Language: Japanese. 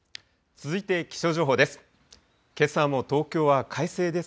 続いて気象情報です。